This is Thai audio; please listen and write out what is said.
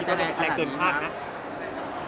คิดว่ามันเกลียดแรงเกินคาดนะ